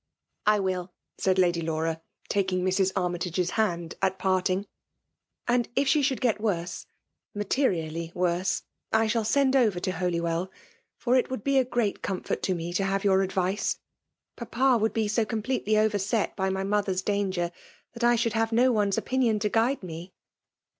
" I will,*' said Lady Laura, taking Mrs. Ar^ mytage's hand at parting. ^' And if she should get worse — materially worse— I shall send over to Holywell ; for it would be a great comfort to me to have your advice. Papa would be so completely overset by my mothers danger, that I should have no one's opinion to guide me."